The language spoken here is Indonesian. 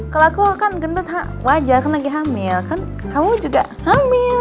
kalau aku kan gendut wajar kan lagi hamil kan kamu juga hamil